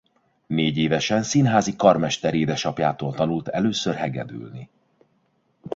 Négyévesen színházi karmester édesapjától tanult először hegedülni.